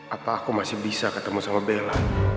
apa aku masih bisa ketemu sama bella